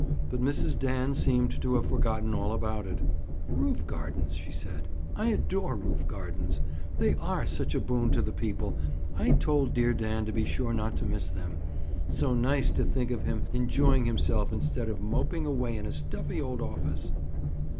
But Mrs. Dan seemed to have forgotten all about it. "Roof gardens," she said. "I adore roof gardens. They are such a boon to the people. I told dear Dan to be sure not to miss them. So nice to think of him enjoying himself instead of moping away in a stuffy old office."